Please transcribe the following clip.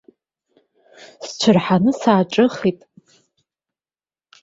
Сцәырҳаны сааҿыхеит.